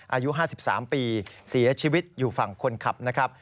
อายุ๕๓ปีเสียชีวิตอยู่ฝั่งคนขับนะครับ